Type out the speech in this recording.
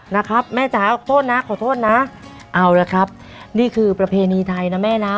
นะครับแม่จ๋าโทษนะขอโทษนะเอาละครับนี่คือประเพณีไทยนะแม่นะ